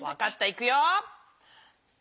いくよ。